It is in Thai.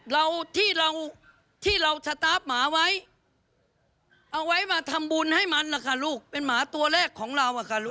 เราที่เราที่เราสตาร์ฟหมาไว้เอาไว้มาทำบุญให้มันล่ะค่ะลูกเป็นหมาตัวแรกของเราอะค่ะลูก